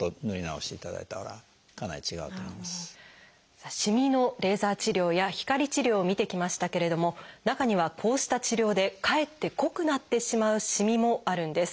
さあしみのレーザー治療や光治療を見てきましたけれども中にはこうした治療でかえって濃くなってしまうしみもあるんです。